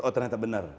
oh ternyata benar